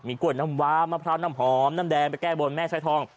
กล้วยน้ำว้ามะพร้าวน้ำหอมน้ำแดงไปแก้บนแม่สร้อยทอง